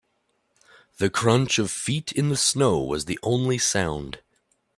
The crunch of feet in the snow was the only sound.